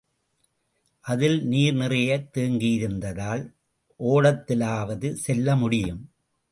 அதில் நீர் நிறையத் தேங்கியிருந்தால், ஓடத்திலாவது செல்ல முடியும்.